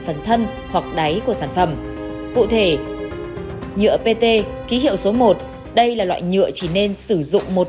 phần thân hoặc đáy của sản phẩm cụ thể nhựa pt ký hiệu số một đây là loại nhựa chỉ nên sử dụng một